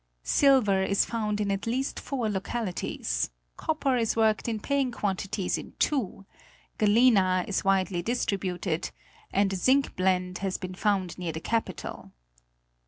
Silver is found in at least four localities; copper is worked in paying quantities in two; galena is widely distributed; and zine blende has been found near the capital.